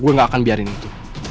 gue gak akan biarin itu